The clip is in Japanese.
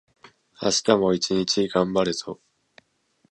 明日も一日がんばるぞ